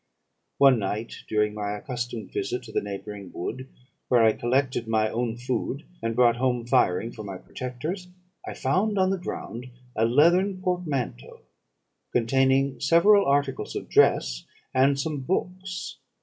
"One night, during my accustomed visit to the neighbouring wood, where I collected my own food, and brought home firing for my protectors, I found on the ground a leathern portmanteau, containing several articles of dress and some books.